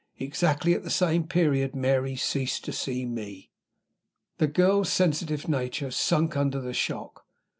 Exactly at the same period Mary ceased to see me. The girl's sensitive nature sunk under the shock.